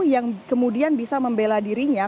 yang kemudian bisa membela dirinya